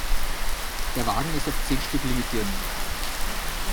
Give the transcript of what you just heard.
Der Wagen ist auf zehn Stück limitiert.